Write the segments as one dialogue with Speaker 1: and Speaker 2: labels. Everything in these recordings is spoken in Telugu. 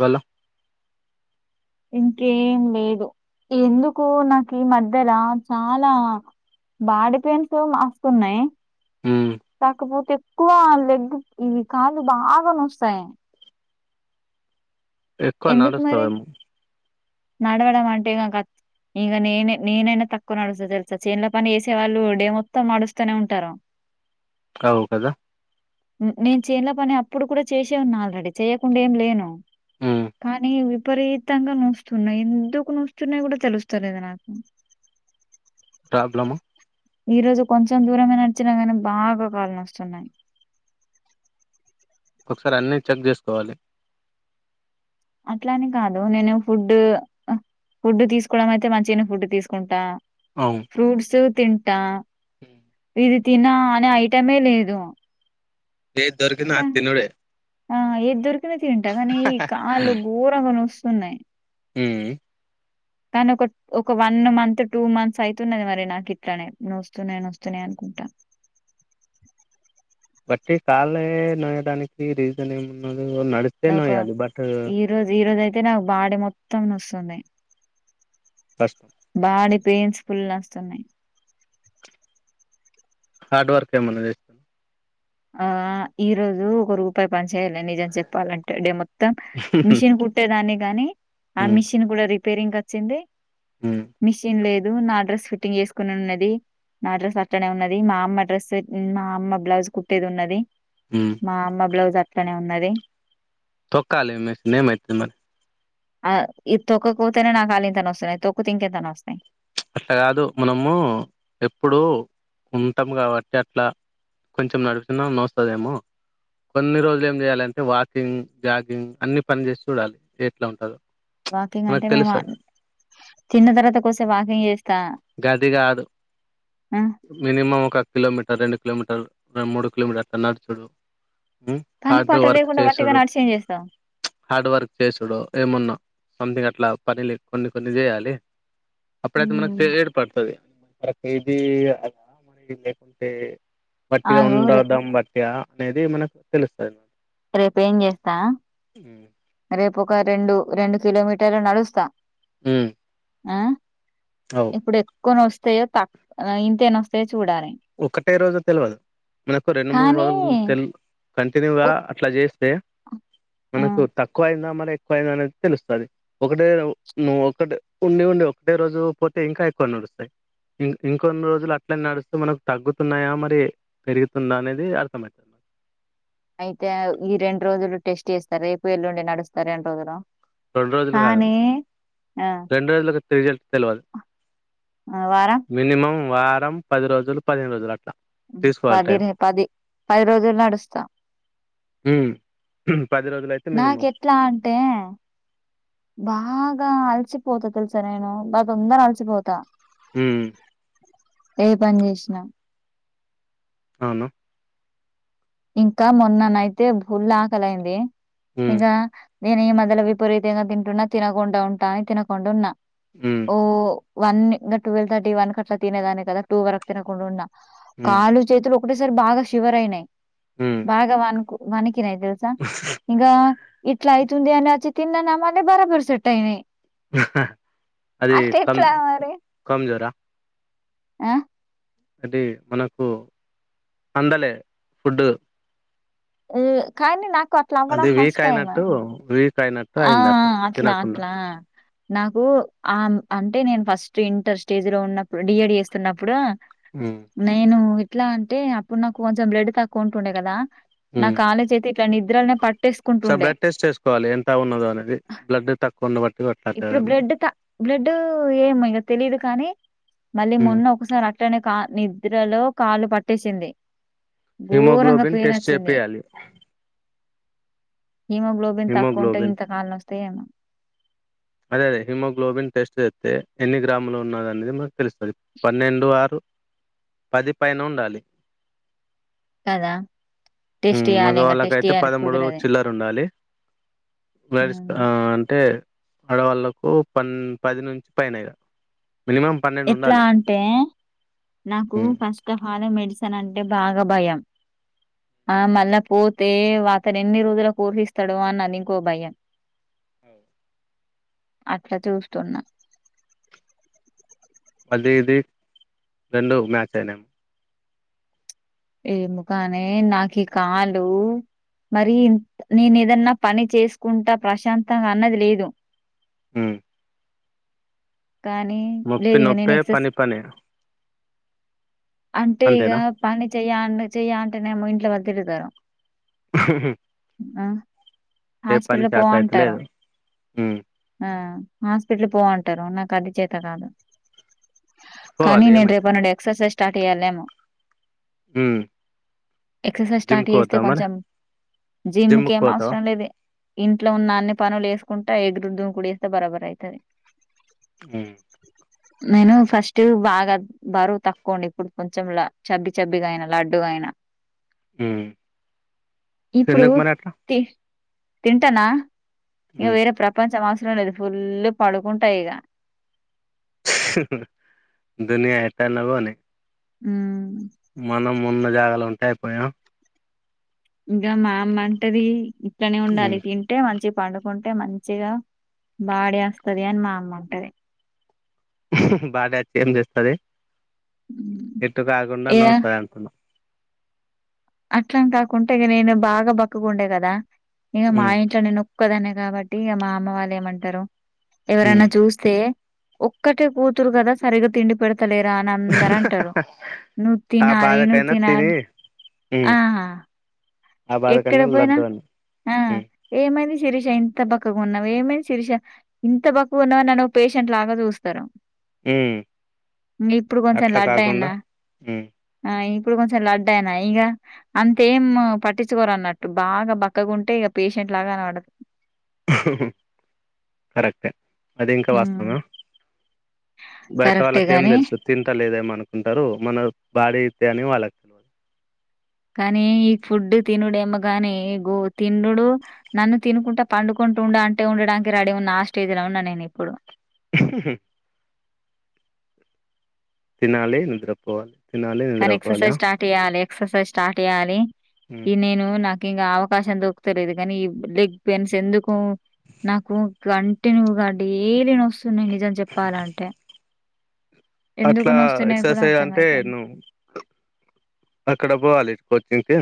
Speaker 1: మల్ల
Speaker 2: ఇంకేం లేదు ఎందుకు నాకు ఈ మధ్యలో చాలా బాడీ పెయిన్స్ మస్తున్నాయి
Speaker 1: ఉమ్
Speaker 2: తకుపో ఎక్కువ లెగ్ ఇవి కాలు బాగా నోస్తాయి
Speaker 1: ఎక్కువ
Speaker 2: ఎందుకు మరి?
Speaker 1: నడుస్తవేమో
Speaker 2: నడవడం అంటే ఇంగత్ ఇంగ నేనే నేనైనా తక్కువ నడుస్తా తెలుసా చేన్ల పని వేసే వాళ్ళు డే మొత్తం నడుస్తూనే ఉంటారు
Speaker 1: అవు కదా
Speaker 2: నేను చేన్ల పని ఇప్పుడు కూడా చేసే ఉన్నా ఆల్రెడీ చేయ్యకుండా ఏం లేను
Speaker 1: ఉమ్
Speaker 2: కానీ విపరీతంగా నూస్తున్నాయి ఎందుకు నొస్తున్నాయో కూడా తెలుస్తలేదు నాకు
Speaker 1: ప్ర్రాబ్లమా
Speaker 2: ఈ రోజు కొంచెం దూరమే నడిచినా కానీ బాగా కాలు నస్తున్నాయి
Speaker 1: ఒకసారి అన్నీ చెక్ చేసుకోవాలి
Speaker 2: అట్లనీ కాదు నేను ఫుడ్ ఫుడ్ తీసుకోవడం అయితే మంచిగనే ఫుడ్ తీసుకుంటా ఫ్రూట్స్ తింటా
Speaker 1: ఉమ్
Speaker 2: ఇది తిన అనే ఐటమే లేదు
Speaker 1: ఏది దొరికినా అది తినుడే
Speaker 2: ఆ ఎద్దొరికిన తింటా కానీ ఈ కాళ్ళు ఘోరంగా నోస్తు న్నాయ్
Speaker 1: ఉమ్
Speaker 2: కానీ ఒక ఒక వన్ మంత్ టూ మంత్స్ అయితున్నది మరి నాకు ఇట్లానే నొస్తున్నాయి నొస్తున్నాయి అనుకుంటా
Speaker 1: బట్టి కాళే నోయడానికి రీజన్ ఏమున్న నడిస్తే నోయ్యాలి బట్
Speaker 2: తే నాకు బాడి మొత్తం నోస్తుంది
Speaker 1: కష్టం
Speaker 2: బాడీ పెయిన్స్ ఫుళ్ళోస్తున్నాయి
Speaker 1: హార్డ్ వర్క్ ఏమన్నా చేస్
Speaker 2: ఆ ఈ రోజు ఒక రూపాయి పని చేయ్యాలే నిజం చెప్పాలంటే డెమొత్ తం మిషన్ కుట్టేదాని కని ఆ
Speaker 1: ఉమ్
Speaker 2: మిషన్ కూడా రి పేరికచ్చింది
Speaker 1: ఉమ్
Speaker 2: మిషిన్ లేద్ దు నా డ్రెస్ ఫిట్టింగ్ చేసుకునున్నది నా డ్రెస్ అట్టనే ఉన్నది మా అమ్మ డ్రెస్ మా అమ్మ బ్లౌజ్ కుట్ ట్టేదున్నది
Speaker 1: ఉమ్
Speaker 2: మా అమ్మా బ్లౌజ్ అట్ ట్లానే ఉన్నది
Speaker 1: తొక్కాలే మే నేమైత మరి
Speaker 2: ఆ ఇది తొక్కకపోతేనే నాకుల్లింత నోస్తనయ్ తొక్కుతింకెంతనోస్థాయ్
Speaker 1: అట్లా కాదు మనము ఎప్పుడు ఉంటం కాబట్టి అట్లా కొంచెం నడుచినా నోస్తదేమో కొన్ని రోజులు ఏం చేయాలంటే వాకింగ్ జాగింగ్ అన్ని పని చేసి చూడాలి ఎట్లా ఉంటదో
Speaker 2: వాకింగ్ అంటే
Speaker 1: మనకు
Speaker 2: మేము ఆ
Speaker 1: తెలుస్తది
Speaker 2: తిన్న తర్వాత కిద్దిసేపు వాకింగ్ చేస్
Speaker 1: గది కాదు
Speaker 2: ఆ
Speaker 1: మినిమం ఒక కిలోమీటర్ రెండు కిలోమీటర్లు మూడు కిలోమీటర్ అట్ల నడు చూడు హు
Speaker 2: పని
Speaker 1: హార్డ్
Speaker 2: పాట
Speaker 1: వర్క్
Speaker 2: లేకుండా వట్టిగా
Speaker 1: చేసుడు
Speaker 2: నడిచి ఏం చేస్తావ్
Speaker 1: హార్డ్ వర్క్ చేసుడు ఏమున్నా సంథింగ్ అ ట్ల పనులు కొన్ని కొన్ని చెయ్యాలి అప్పుడేతె మనక్ తె ఏడ్పడుతది మరక్ ఇది అలా మనకిది లేకుంటే బట్టిగా
Speaker 2: ఆగు
Speaker 1: ఉండడం బట్ ్యా అనేది మనకు తెలుస్తది మ
Speaker 2: రేపు ఏం చేస్తా రేపు ఒక రెండు రెండు కిలోమీటర్లు నడుస్తా
Speaker 1: హు
Speaker 2: ఆ ఇప్పుడే క్కువనొస్తాయో తక్ ఆ ఇంతేనోస్తాయో చ్
Speaker 1: ఒకటే రోజు తెలుయదు మనకు రెండు మూడు
Speaker 2: కానీ
Speaker 1: లం తెల్ కంటిన్యూగా
Speaker 2: ఒక్
Speaker 1: అట్లా చేస్తే మనకు
Speaker 2: హ్మ్.
Speaker 1: తక్ క్కువైందా మరి ఎక్కువైందా అనేది తెలుస్తది ఒకటే నువ్ ఒకటే ఉండి ఉండి ఒకటే రోజు పోతే ఇంకా ఎక్కువ నడుస్తాయి ఇం ఇంకొన్ని రోజులు అట్లా నడుస్తే మనక్ తగ్గుతున్నాయా మరి పెరుగుతుందా అనేది అర్థం అయితది
Speaker 2: అయితే ఈ రెండు రోజులు టెస్ట్ చేస్తారు రేపు ఎల్లుండి నడుస్తా రెండు రోజులు
Speaker 1: రెండు రోజులు కాదు
Speaker 2: కానీ ఆ!
Speaker 1: రెండు రోజులకు రిజల్ట్ తెలవదు
Speaker 2: ఆ! వారం
Speaker 1: మినిమం వారం పది రోజులు పదిహేను రోజులు అట్లా తీసుకోవాలి టైం
Speaker 2: పదినే పది పది రోజులు నడుస్తాం
Speaker 1: ఉమ్ పది రోజులు అయితే
Speaker 2: నాక
Speaker 1: మినిమం
Speaker 2: ఎట్లా అంటే బాగా బా అలసిపోతా తెలుసా నేను బా తొందర అలసిపోతా
Speaker 1: మ్
Speaker 2: ఏ పని చేసినా
Speaker 1: అవును
Speaker 2: ఇంకా మొన్ననైతే ఫుల్ ఆకలైంది
Speaker 1: ఉమ్
Speaker 2: ఇంగా నేను ఈ మధ్యలో విపరీతంగా తింటున్నా తినకుండా ఉంటా అని తినకుండా ఉన్నా
Speaker 1: ఉమ్
Speaker 2: ఓ వన్ ఇంకా ట్వెల్వ్ థర్టీ వన్ కట్లా తినేదాన్ని కదా టూ వరకు తినకుండున్నా
Speaker 1: ఉమ్
Speaker 2: కాలు చేతులు ఒకటేసారి బాగా శివరయినాయి
Speaker 1: ఉమ్
Speaker 2: భాగవాన్ కు మనకి ఎక్కినాయ్ తెల్సా ఇంగా ఇట్లా అయితుంది అని అది చికెన్ తిన్నామని బరాబర సెట్టయ్ నాయ్
Speaker 1: అది కమ్
Speaker 2: మరి?
Speaker 1: కం జోరా
Speaker 2: ఆ
Speaker 1: అది మనకు అందలే ఫుడ్
Speaker 2: ఆ కానీ నా
Speaker 1: అంటే వీక్ అయినట్టు వీక్ అయినట్టు
Speaker 2: ఆ
Speaker 1: అయిందట
Speaker 2: ఆట్లా
Speaker 1: తినకుండా
Speaker 2: ఆట్లా నాకు ఆ అంటే నేను ఫస్ట్ ఇంటర్ స్టేజ్ లో ఉన్నప్పుడు డిఏడి చేస్తున్నప్పుడు
Speaker 1: ఉమ్
Speaker 2: నేను ఎట్లా అంటే అప్పుడు నాకు కొంచెం బ్లడ్ తక్కువ ఉంటుండే కదా నా కాలేజ్ అయితే నిద్రనే పట్
Speaker 1: ఓసారి బ్లడ్ టెస్ట్ చేసుకోవాలి ఎంత ఉన్నద అనేది బ్లడ్ తక్కువ ఉండ బట్టి
Speaker 2: ఇప్పుడు
Speaker 1: పెట్టట్దేమో
Speaker 2: బ్లడ్ త బ్లడ్ ఏమో ఇగ తెలీదు కానీ మళ్ళీ మొన్న ఒకసారి అట్లనే కా నిద్రలో కాలు పట్టేసింది ఘోరంగా
Speaker 1: హిమోగ్లోబిన్ టెస్ట్
Speaker 2: పెయినొచ్చింది.
Speaker 1: చెపియాలి
Speaker 2: హీమోగ్లోబిన్ తక్ కుంట
Speaker 1: హిమోగ్లోబిన్
Speaker 2: ఇంత కాలం వస్తేమ
Speaker 1: అదే అదే హిమోగ్లోబిన్ టెస్ట్ చేస్తే ఎన్ని గ్రాములు ఉన్నదనేది మాకు తెలుస్తుంది పన్నెండు ఆర్ పది పైన ఉండాలి
Speaker 2: కదా! టెస్ట్
Speaker 1: ఉమ్ మగ
Speaker 2: చేయాలి ఇంగ టెస్ట్
Speaker 1: వాళ్ళకైతే
Speaker 2: చేయాలి
Speaker 1: పదమూడు
Speaker 2: కుదరది.
Speaker 1: చిల్లర ఉండాలి వస్
Speaker 2: హ్మ్.
Speaker 1: అంటే ఆడవాళ్లకు పన్ పది నుంచి పైనే ఇగ మినిమం పన్నెండు
Speaker 2: ఎట్లా
Speaker 1: ఉండాలి
Speaker 2: అంటే నాకు
Speaker 1: ఉమ్
Speaker 2: ఫస్ట్ టైం ఆల్ మెడిసిన్ న అంటే బాగా భయం ఆ మళ్ళా పోతే అతను ఎన్ని రోజుల కోసిస్తాడు అని అది ఇంకో భయం అట్లా చూస్తున్నా
Speaker 1: అది ఇది రెండు మ్యాచ్ అయినే
Speaker 2: ఏమో కానే నాకు కాలు మరి నేను ఏదన్నా పని చేసుకుంటా ప్రశాంతంగా అన్నది లేదు
Speaker 1: ఉమ్
Speaker 2: కానీ
Speaker 1: నొప్పి
Speaker 2: లేదు ఇక నేను
Speaker 1: నొప్పే
Speaker 2: ఎక్సర్సైజ్
Speaker 1: పని పనే
Speaker 2: అంటే ఇగ
Speaker 1: అంతేనా
Speaker 2: పని చెయ్య చెయ్యంట ఇట్లో వతు తరం
Speaker 1: ఉమ్
Speaker 2: ఆ హాస్పిటల్ పోవంటారు
Speaker 1: అయితలేదు ఉమ్
Speaker 2: ఆ హాస్పిటల్ పోవంటారు నాకు అది చేత కాదు
Speaker 1: పోవాలి
Speaker 2: కానీన్ ఏన్
Speaker 1: ఏమైతది
Speaker 2: రీప నడి ఎక్సర్సైజ స్టార్ట్ అయ్యాలలేమ
Speaker 1: ఉమ్
Speaker 2: ఎక్సర్సైజ్
Speaker 1: జిమ్
Speaker 2: స్టార్ట్
Speaker 1: కు
Speaker 2: చేస్తే
Speaker 1: పోతావ మరి
Speaker 2: కొంచెం
Speaker 1: జిమ్
Speaker 2: జిమ్కి
Speaker 1: కు
Speaker 2: ఏం
Speaker 1: పోతావా
Speaker 2: అవసరం లేదు ఇంట్లో ఉన్న అన్ని పనులు వేసుకుంటా ఎగరు ద కూడి వేస్తే బరాబరు అవుతది
Speaker 1: అ
Speaker 2: నేను ఫస్ట్ బాగా బరువు తక్కువుండే ఇప్పుడు కొంచెం చబ్బి చబ్బిగా అయినా లడ్డుగా అయినా
Speaker 1: ఉమ్ ఎందుకు మరి అట్లా
Speaker 2: తింటానా నువ్
Speaker 1: ఉమ్
Speaker 2: వేరే ప్రపంచ మాస లేదు ఫుల్ పడుకుంటా ఇగ
Speaker 1: దునియా ఎటన్న పోనీ
Speaker 2: ఉమ్
Speaker 1: మనం ఉన్న జాగాల ఉంటే అయిపోతా పోయా
Speaker 2: ఇంకా మా అమ్మ అంటది ఇప్. ఇట్లనే ఉండాలి,
Speaker 1: ఉమ్
Speaker 2: తింటే మంచి చిప్. పండుకుంటే మంచిగా, బాడి అస్తది అని మా అమ్మ అంటది.
Speaker 1: బాడి అచ్చి ఏం జేస్తాది.
Speaker 2: హ్మ్.
Speaker 1: ఎట్టా దాగున్న
Speaker 2: ఇగ
Speaker 1: నోస్తాద్ అనుకున్నా.
Speaker 2: అట్లానే గాకుంటే, ఇగ నేను బాగా బక్కగుండే కదా. ఇగా మా
Speaker 1: ఉమ్
Speaker 2: ఇంట్లో నేన్ ఒక్. ఒక్కదాన్నే గాబట్టి, ఇగ మా అమ్మ వాళ్ళు ఏమంటారో.
Speaker 1: ఉమ్
Speaker 2: ఎవరన్నా చూస్తే. ఒక్కటే కూతురు గాద, సరిగ్గా తిండి పెడ్త్. తలేరా అని అందర్ అంటారు. నూ
Speaker 1: ఆ
Speaker 2: తినాలి, ను
Speaker 1: బాధకైనా
Speaker 2: తినాలి
Speaker 1: తిని
Speaker 2: అంట్.
Speaker 1: ఉమ్
Speaker 2: ఆహా.
Speaker 1: ఆ
Speaker 2: ఎక్కడ
Speaker 1: బాధకన్నా
Speaker 2: పోయినా
Speaker 1: లడ్డు అని
Speaker 2: ఆ
Speaker 1: ఉమ్
Speaker 2: ఏమైంది. శిరీష ఇంత బక్కగా ఉన్నావు, ఏమైంది శిరీష, ఇంత బక్కగా ఉన్నావు అని, నన్ను ఓ పేషెంట్ లాగా చూస్తారు.
Speaker 1: ఉమ్
Speaker 2: ఇంగ్ ఇప్పుడు కొంచెం
Speaker 1: అట్లా కాకుండా
Speaker 2: లడ్డైనా,
Speaker 1: ఉమ్
Speaker 2: ఆ ఇప్. ఇప్పుడు కొంచెం లడ్డైనా ఇగా, అంతేం పట్టిచ్. చ్చుకోరు అన్నట్టు. బాగా బక్కగుంటే ఇగా పేషెంట్ లాగా గానపడత్.
Speaker 1: కరెక్టే. అది ఇంకా
Speaker 2: హ్మ్.
Speaker 1: వాస్థాద. బయట
Speaker 2: కరెక్టే
Speaker 1: వాళ్ళకి ఏం
Speaker 2: గాని
Speaker 1: తెలుసు, తింటలేదేమో అనుకుంటారు. మన బాడీ కాని వాళ్ళక్ తెల్వదు.
Speaker 2: కానీ ఈ ఫుడ్ తినుడేమో గాని, గో తింన్నుడు నన్ను తినుకుంట, పండుకుంటు ఉండు అంటే, ఉండడానికి రడీ ఉన్న, ఆ స్టేజ్ లో ఉన్నా నేను ఇప్పుడు.
Speaker 1: తినాలి, నిద్రపోవాలి. తినాలి
Speaker 2: కానీ
Speaker 1: నిద్రపోవాలి
Speaker 2: ఎక్సర్సైజ్ స్టార్ట్ చేయలే. ఎక్సర్సజ్ స్టార్ట్ చేయాలి.
Speaker 1: ఉమ్.
Speaker 2: ఈ నేను నాక్. తినే అవకాశం దొరుకుతలేదు గని, ఈ లెగ్ పెయిన్స్ ఎందుకు, నాకు కంటిన్యూ గా డేలీ నోస్. కొన్ని నిజం చెప్పాలంటే. ఎందుకు
Speaker 1: అట్లా,
Speaker 2: నొస్తున్నాయో కూడా
Speaker 1: ఎక్సర్సైజ్ అంటే
Speaker 2: అర్థమైతలే.
Speaker 1: ను. అక్కడ బోవాలి, కోచింగ్కి.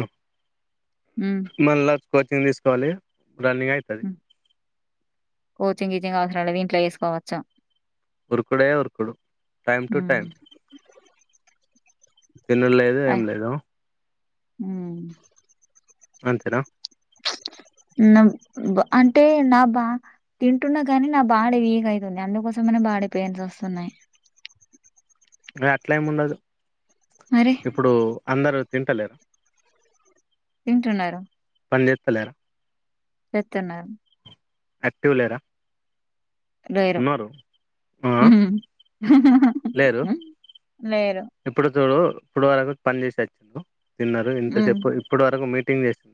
Speaker 1: మళ్ళ. [unintelligible] కోచింగ్ తీస్కోవాలి.
Speaker 2: హుమ్ కోచింగ్, గీచింగ్ అవాస్ర్. మనం ఇంట్లో చేసుకోవచ్చు.
Speaker 1: ఊరుకుడే ఊరుకుడు టైం టు
Speaker 2: హ్మ్.
Speaker 1: టైం తిన్న లేదు ఏం లేదు
Speaker 2: మ్
Speaker 1: అంతరా
Speaker 2: అంటే నా బా తింటున్నా కాని నా బాడి వీక్ అయితుంది అందుకోసమనే బాడీ పెయిన్స్ వస్తున్నాయి
Speaker 1: అ అట్లా ఏమి ఉండదు
Speaker 2: మరి
Speaker 1: ఇప్పుడు అందరు తింటలేరా
Speaker 2: తింటున్నారు
Speaker 1: పాన్ జేయతలేరా
Speaker 2: చెత్తనరు
Speaker 1: అక్టివ లేరా
Speaker 2: లేరు
Speaker 1: ఉన్నారు ఆ
Speaker 2: [unintelligible]
Speaker 1: లేరు
Speaker 2: లేరు
Speaker 1: ఇప్పుడు చూడు ఇప్పుడు వరకు పని చేసే వచ్చ తిన్నారు ఇంత
Speaker 2: హ్మ్.
Speaker 1: చెప్పు ఇప్పడు వరకు మీ కటింగ్ చేసి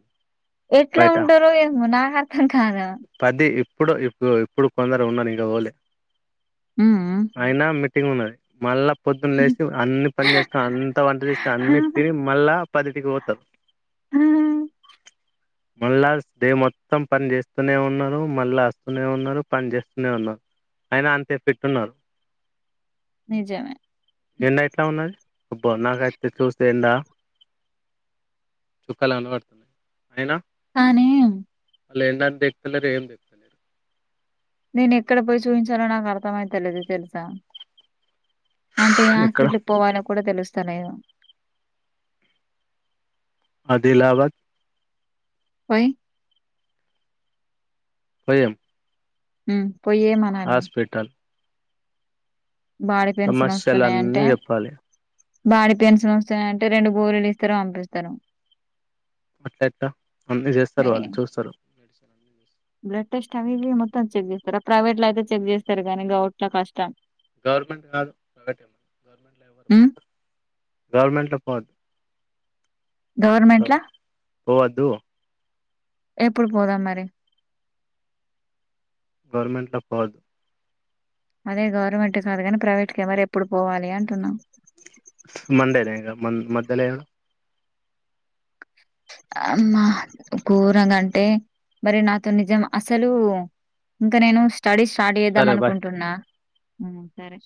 Speaker 2: ఎట్లా ఉంటరో ఏమో నాకు అర్థం కాలా
Speaker 1: పది ఇప్పుడు ఇప్పు ఇప్పుడు కొందరు ఉన్నరు ఇక పోలె
Speaker 2: హ్మ్.
Speaker 1: అయిన మిక్ సిము ఉన్నది మళ్ల పొద్దున లేసి అన్ని పని చేసుకొని అంత వంట చేస్తే అన్ని తిని మళ్ళా పదింటికి పోతారు మళ్ళా డే మొత్తం పని చేస్తూనే ఉన్నాను మళ్ళా వస్తూనే ఉన్నారు పని చేస్తూనే ఉన్నాను అయిన అంతే పెట్టున్నారు
Speaker 2: నిజం మే
Speaker 1: ఎండ ఎట్లా ఉన్నది అబ్బో నాకైతే చూస్తే ఎండ చుక్కలు కనపడుది అయినా
Speaker 2: కాని
Speaker 1: లేనిదకి తెకుతలేరు ఏం తెకుతలేరు
Speaker 2: నేను ఎక్కడ పోయి చూయించాలో నాకు అర్థమయితలేదు తెలుస అంటే
Speaker 1: ఇక్కడ
Speaker 2: హాస్పిటల్ కి పోవాలని కూడా తెలుస్తు ఇంకనయం
Speaker 1: అది ఇలా ఇవ్వ
Speaker 2: పోయ్
Speaker 1: భయం
Speaker 2: ఊ పొయ్యి ఏమనాలి బాడీ
Speaker 1: సమస్యలన్నీ చెప్పాలి
Speaker 2: బాడి పెయిన్స్ వస్తాయంటే రెండు గోలీలు ఇస్తారు అంపిస్తరు
Speaker 1: అట్ట ఎట్ట అన్ని చేస్తారు వాళ్ళు చూస్తారు [inaudible]
Speaker 2: బ్లడ్ టెస్ట్ అవి ఇవి మొత్తం చెక్ చేస్తారు ప్రైవేట్ లో అయితే చెక్ చేస్తారు గానీ గౌట్ లో కష్టం
Speaker 1: గవర్నమెంట్ కాదు గవర్నమెంట్ లో ఎవ్వరు
Speaker 2: ఉమ్
Speaker 1: గవర్నమెంట్ లో పో
Speaker 2: గవర్నమెంట్ల
Speaker 1: పోవద్దు
Speaker 2: ఎప్పుడు పోదాంమరి
Speaker 1: గవర్నమెంట్ లో పోవద్దు
Speaker 2: అదే గవర్నమెంట్ కాదు కాని ప్రైవేట్ ఎవరు ఎప్పుడు పోవాలి అంటున్నా
Speaker 1: మండేనే ఇక మన్ మధ్యలేదు
Speaker 2: అమ్మ కూరగంటే మరి నాతో నిజం అసలు ఇంకా నేను స్టడీ స్టార్ట్ చేద్దాం
Speaker 1: సరే బాయ్
Speaker 2: మనుకుంటున్నా హ్మ్మ్ సరే